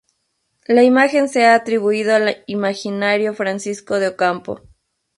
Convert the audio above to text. La imagen se ha atribuido al imaginero Francisco de Ocampo.